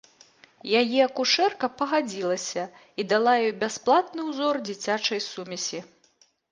Яе акушэрка пагадзілася і дала ёй бясплатны ўзор дзіцячай сумесі.